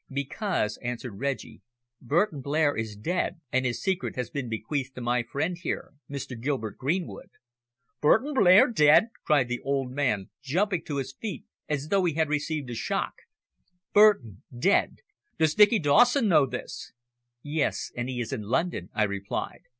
"Because," answered Reggie, "Burton Blair is dead, and his secret has been bequeathed to my friend here, Mr. Gilbert Greenwood." "Burton Blair dead!" cried the old man, jumping to his feet as though he had received a shock. "Burton dead! Does Dicky Dawson know this?" "Yes, and he is in London," I replied.